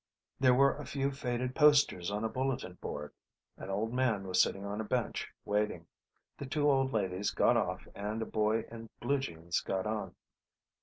There were a few faded posters on a bulletin board. An old man was sitting on a bench, waiting. The two old ladies got off and a boy in blue jeans got on.